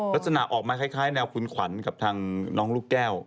ลักษณะออกมาคล้ายแนวคุณขวัญกับทางน้องลูกแก้ว